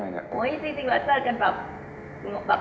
จริงเราก็เบิ่ลเติร์ฟกันแบบ